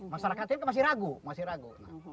masyarakat ini masih ragu masih ragu